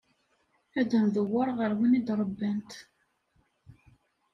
Ad ndewweṛ ɣer win i d-ṛebbant.